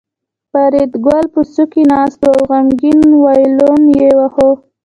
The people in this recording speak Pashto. فریدګل په څوکۍ ناست و او غمګین وایلون یې واهه